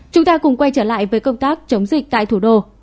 chúng ta cùng quay trở lại với công tác chống dịch tại thủ đô